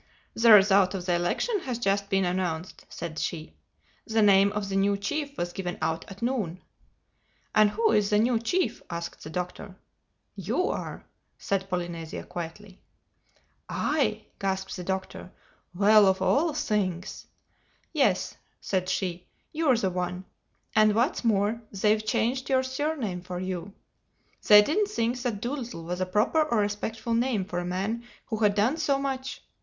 "The result of the election has just been announced," said she. "The name of the new chief was given out at noon." "And who is the new chief?" asked the Doctor. "You are," said Polynesia quietly. "I!" gasped the Doctor—"Well, of all things!" "Yes," said she. "You're the one—And what's more, they've changed your surname for you. They didn't think that Dolittle was a proper or respectful name for a man who had done so much.